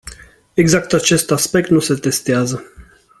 Exact acest aspect nu se testează.